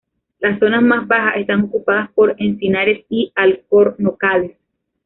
Las zonas más bajas están ocupadas por encinares y alcornocales.